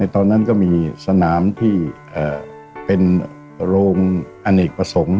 ตอนนั้นก็มีสนามที่เป็นโรงอเนกประสงค์